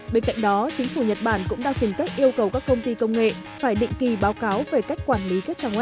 bên cạnh đó chính phủ nhật bản cũng đang tìm cách yêu cầu các công ty công nghệ phải định kỳ báo cáo về cách quản lý